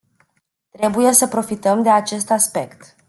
Trebuie să profităm de acest aspect.